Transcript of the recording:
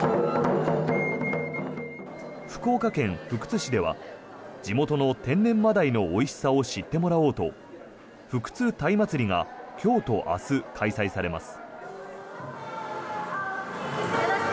福岡県福津市では地元の天然マダイのおいしさを知ってもらおうとふくつ鯛まつりが今日と明日開催されます。